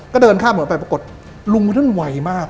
ก็เดินข้ามถนนไปปรากฏลุงท่านไวมาก